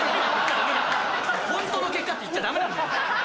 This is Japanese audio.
「本当の結果」って言っちゃダメなんで！